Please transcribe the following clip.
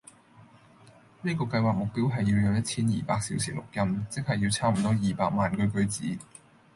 呢個計劃目標係要有一千二百小時錄音，即係要差唔多二百萬句句子